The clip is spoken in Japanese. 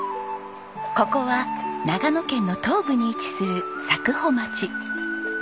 ここは長野県の東部に位置する佐久穂町。